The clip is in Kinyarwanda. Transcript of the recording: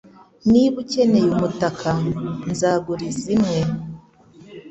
Niba ukeneye umutaka nzaguriza imwe.